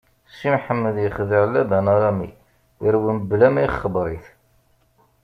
Si Mḥemmed ixdeɛ Laban Arami, irwel mebla ma ixebbeṛ-it.